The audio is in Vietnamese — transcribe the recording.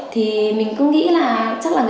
thì mình cứ nghĩ là chắc là người ta được hoàn tiền rồi